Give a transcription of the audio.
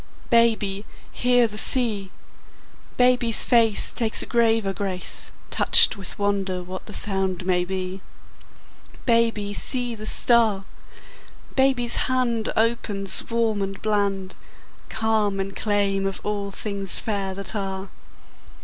Baby, hear the sea! Baby's face Takes a graver grace, Touched with wonder what the sound may be. Baby, see the star! Baby's hand Opens, warm and bland, Calm in claim of all things fair that are.